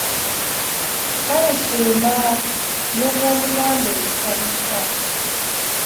Talisiima ne bw'olimugamba ebisanyusa.